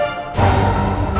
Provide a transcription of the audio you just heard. itu tes dna siapa sih